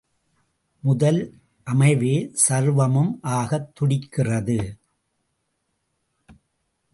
முதல் அமைவே சர்வமும் ஆகத் துடிக்கிறது.